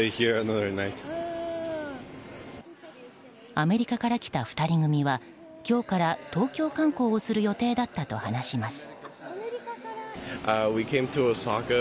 アメリカから来た２人組は今日から東京観光をする予定だったと話します。